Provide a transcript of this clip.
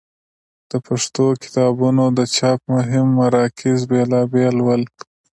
د پښتو کتابونو د چاپ مهم مراکز بېلابېل ول.